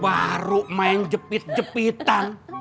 baru main jepit jepitan